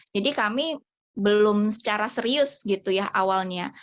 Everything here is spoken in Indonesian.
jadi kami belum secara serius gitu ya awalnya